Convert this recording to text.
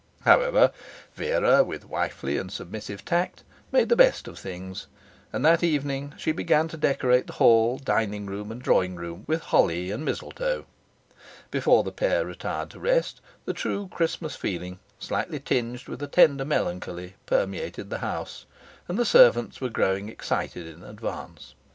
However, Vera, with wifely and submissive tact made the best of things; and that evening she began to decorate the hall, dining room, and drawing room with holly and mistletoe. Before the pair retired to rest, the true Christmas feeling, slightly tinged with a tender melancholy, permeated the house, and the servants were growing excited in advance.